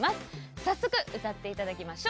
早速、歌っていただきましょう。